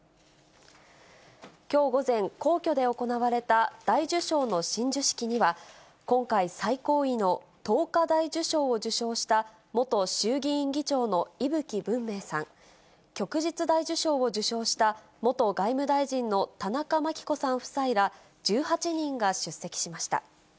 きょう午前、皇居で行われた大綬章の親授式には、今回最高位の桐花大綬章を受章した元衆議院議長の伊吹文明さん、旭日大綬章を受章した元外務大臣の田中真紀子さん夫妻ら１８人が出席しました。